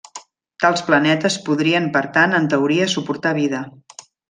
Tals planetes podrien per tant en teoria suportar vida.